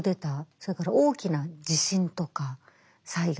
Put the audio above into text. それから大きな地震とか災害。